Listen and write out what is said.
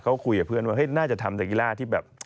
เขาคุยกับเพื่อนว่าน่าจะทำแต่กีฬาที่แบบ